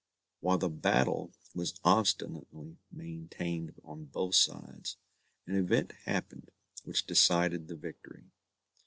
While the battle was obstinately maintained on both sides, an event happened which decided the victory.